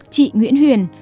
chị nguyễn huyền